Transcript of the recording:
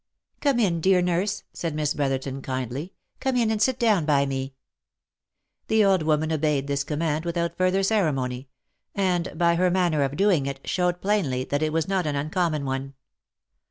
" Come in, dear nurse !" said Miss Brotherton kindly, " come in, and sit down by me." The old woman obeyed this command without further ceremony ; and, by her manner of doing it, showed plainly that it was not an uncommon one.